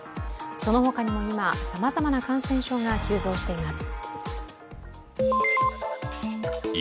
その他にも今、さまざまな感染症が急増しています。